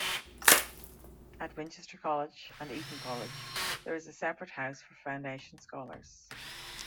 At Winchester College and Eton College, there is a separate house for foundation scholars.